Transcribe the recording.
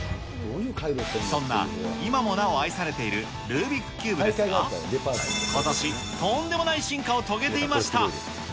そんな今もなお愛されているルービックキューブですが、ことし、とんでもない進化を遂げていました。